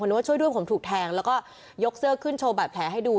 ว่าช่วยด้วยผมถูกแทงแล้วก็ยกเสื้อขึ้นโชว์บาดแผลให้ดู